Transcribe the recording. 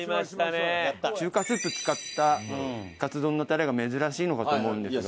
中華スープ使ったカツ丼のタレが珍しいのかと思うんですが。